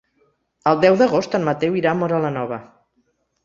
El deu d'agost en Mateu irà a Móra la Nova.